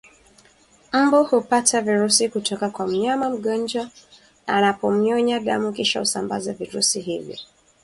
Mbu hupata virusi kutoka kwa mnyama mgonjwa anapomnyonya damu Kisha husambaza virusi hivyo